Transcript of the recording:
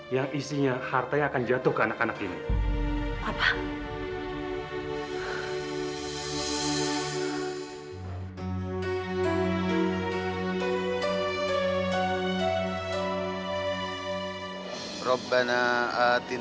yang isinya hartanya akan jatuh ke anak anak ini